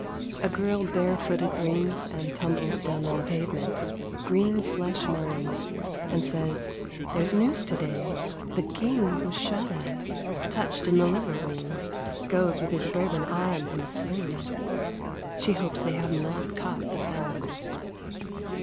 A girl bare footed brings, and tumbles Down on the pavement, green flesh melons, And says there's news to day the king 35 Was shot at, touched in the liver wing, Goes with his Bourbon arm in a sling: She hopes they have not caught the felons.